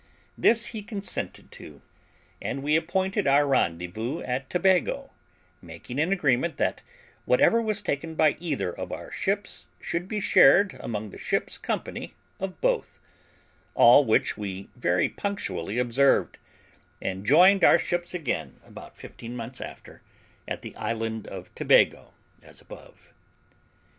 This he consented to, and we appointed our rendezvous at Tobago, making an agreement, that whatever was taken by either of our ships should be shared among the ship's company of both; all which we very punctually observed, and joined our ships again, about fifteen months after, at the island of Tobago, as above.